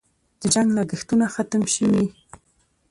د جنګ لګښتونه ختم شوي؟